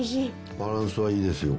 バランスがいいですよね。